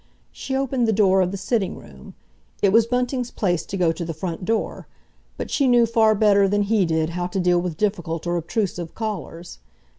She opened the door of the sitting room. It was Bunting's place to go to the front door, but she knew far better than he did how to deal with difficult or obtrusive callers.